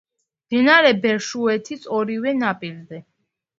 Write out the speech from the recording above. მდინარე ბერშუეთის ორივე ნაპირზე.